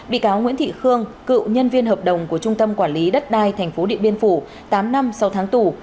bị cáo nguyễn thị khương cựu nhân viên hợp đồng của trung tâm quản lý đất đai tp điện biên phủ tám năm sau tháng tù